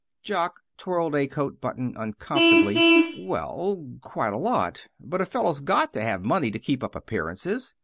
Jock twirled a coat button uncomfortably "Well, quite a lot. But a fellow's got to have money to keep up appearances.